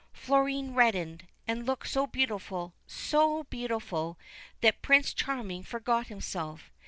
Florine reddened, and looked so beautiful, so beautiful, that Prince Charming forgot himself.